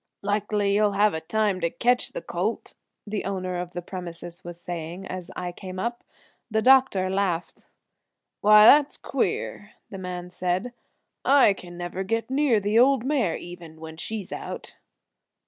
"Likely you'll have a time to ketch the colt," the owner of the premises was saying as I came up. The doctor laughed. "Why, that is queer," the man said. "I can never get near the old mare even, when she's out."